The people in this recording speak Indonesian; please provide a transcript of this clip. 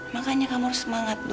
makanya kamu harus semangatnya